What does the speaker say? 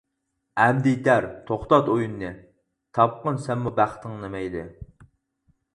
ئەمدى يېتەر، توختات ئويۇننى، تاپقىن سەنمۇ بەختىڭنى مەيلى.